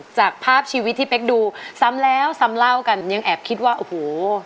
จากภาพชีวิตที่เป๊กดูซ้ำแล้วซ้ำเล่ากันยังแอบคิดว่าโอ้โห